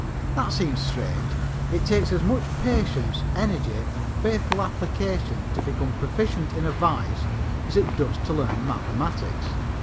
That seems strange. It takes as much patience, energy and faithful application to become proficient in a vice as it does to learn mathematics.